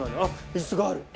椅子がある！